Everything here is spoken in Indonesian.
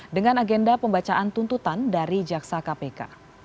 dengan agenda pembacaan tuntutan dari jaksa kpk